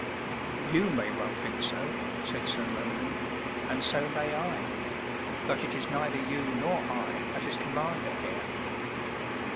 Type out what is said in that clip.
"You may well think so," said Sir Roland, "and so may I; but it is neither you nor I that is commander here."